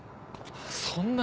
そんな。